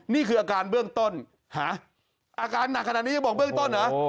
นี่คืออาการเบื้องต้นอาการหนักขนาดนี้ยังบอกเบื้องต้นเหรอ